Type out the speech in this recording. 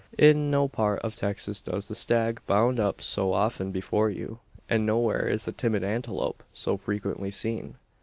In no part of Texas does the stag bound up so often before you; and nowhere is the timid antelope so frequently seen.